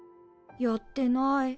やってない。